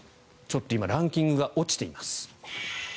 ちょっと今ランキングが落ちています。